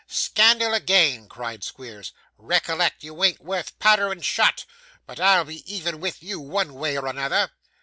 'Scandal again!' cried Squeers. 'Recollect, you an't worth powder and shot, but I'll be even with you one way or another.